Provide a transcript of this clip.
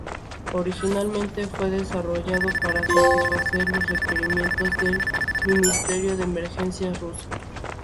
Originalmente fue desarrollado para satisfacer los requerimientos del ministerio de emergencias ruso.